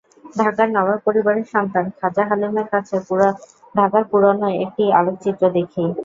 ঢাকার নবাব পরিবারের সন্তান খাজা হালিমের কাছে ঢাকার পুরোনো একটি আলোকচিত্র দেখি।